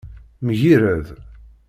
Mgirred.